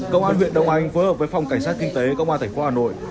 công an huyện đông anh phối hợp với phòng cảnh sát kinh tế công an tp hà nội